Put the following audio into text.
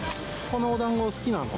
このおだんご、好きなの？